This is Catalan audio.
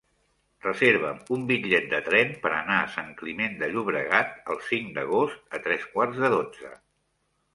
Reserva'm un bitllet de tren per anar a Sant Climent de Llobregat el cinc d'agost a tres quarts de dotze.